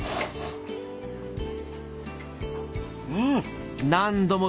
うん！